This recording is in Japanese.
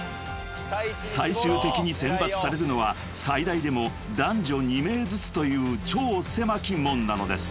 ［最終的に選抜されるのは最大でも男女２名ずつという超狭き門なのです］